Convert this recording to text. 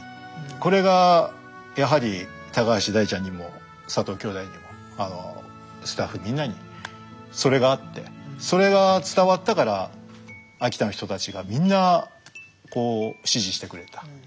これがやはり橋大ちゃんにも佐藤兄弟にもスタッフみんなにそれがあってそれが伝わったから秋田の人たちがみんなこう支持してくれた。